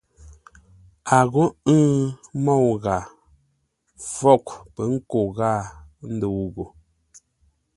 A ghô ə̂ŋ môu ghâa fwôghʼ pə̌ nkô ghâa ndəu ghô.